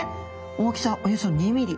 大きさおよそ２ミリ。